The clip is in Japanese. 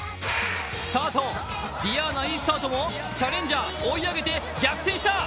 ｄｉａｎａ、いいスタートもチャレンジャー、追い上げて逆転した！